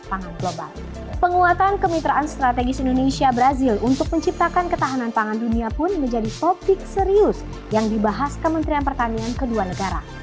penguatan kemitraan strategis indonesia brazil untuk menciptakan ketahanan pangan dunia pun menjadi topik serius yang dibahas kementerian pertanian kedua negara